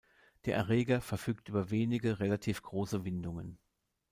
Der Erreger verfügt über wenige, relativ große Windungen.